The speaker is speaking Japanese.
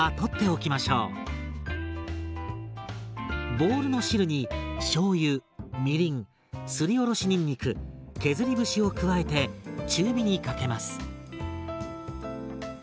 ボウルの汁にしょうゆみりんすりおろしにんにく削り節を加えて中火にかけます。